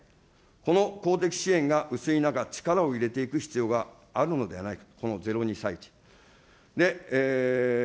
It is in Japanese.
この公的支援が薄い中、力を入れていく必要があるのではないか、この０・２歳児。